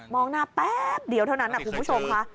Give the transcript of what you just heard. องหน้าแป๊บเดียวเท่านั้นนะคุณผู้ชมค่ะ